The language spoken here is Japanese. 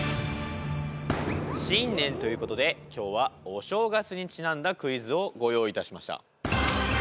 新年ということで今日はお正月にちなんだクイズをご用意いたしました。